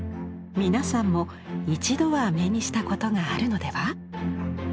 皆さんも一度は目にしたことがあるのでは？